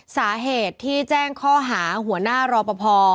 สาเหตุที่แจ้งข้อหาหัวหน้ารอปภ